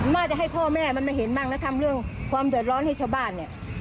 น่าจะให้พ่อแม่มันมาเห็นบ้างแล้วทำเรื่องความเดือดร้อนให้ชาวบ้านเนี่ย